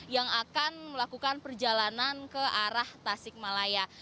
yang akan melakukan perjalanan ke arah tasik malaya